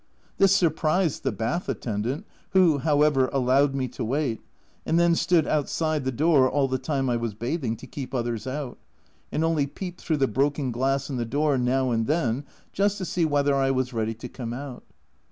This surprised the bath attendant, who, however, allowed me to wait, and then stood outside the door all the time I was bathing to keep others out, and only peeped through the broken glass in the door now and then just to see whether I was ready to come out.